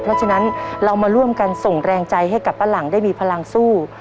เพราะฉะนั้นเรามาร่วมกันส่งแรงใจให้กับป้าหลังได้มีพลังสู้